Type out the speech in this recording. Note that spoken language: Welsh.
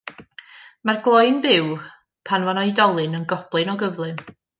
Mae'r glöyn byw, pan fo'n oedolyn yn goblyn o gyflym.